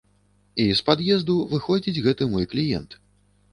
І з пад'езду выходзіць гэты мой кліент.